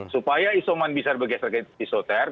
supaya isoman bisa bergeser ke isoter